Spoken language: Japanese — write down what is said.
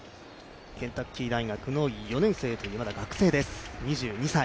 ケンタッキー大学の４年生という、まだ学生です、２２歳。